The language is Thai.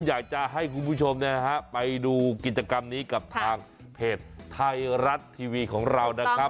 อยากจะให้คุณผู้ชมไปดูกิจกรรมนี้กับทางเพจไทยรัฐทีวีของเรานะครับ